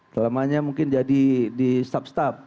selamanya mungkin jadi di staf staf